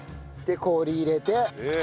で氷入れて。